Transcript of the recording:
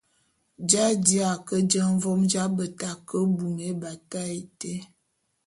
J’aji’a ke jeñe vôm j’abeta ke bume ébatak été.